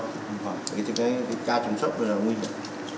cái ca chống sốc là nguy hiểm